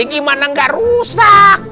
ini gimana gak rusak